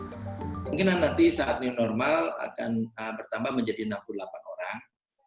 kemungkinan nanti saat new normal akan bertambah menjadi enam puluh delapan orang